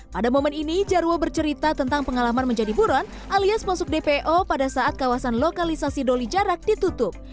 pada momen ini jarwo bercerita tentang pengalaman menjadi buron alias masuk dpo pada saat kawasan lokalisasi doli jarak ditutup